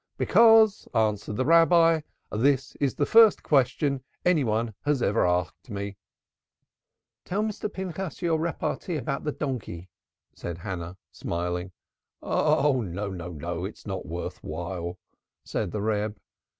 'Because,' answered the Rabbi, 'this is the first question any one has ever asked me!'" "Tell Mr. Pinchas your repartee about the donkey," said Hannah, smiling. "Oh, no, it's not worth while," said the Reb.